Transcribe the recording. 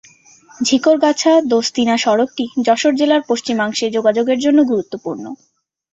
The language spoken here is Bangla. ঝিকরগাছা-দোসতিনা সড়কটি যশোর জেলার পশ্চিমাংশে যোগাযোগের জন্য গুরুত্বপূর্ণ।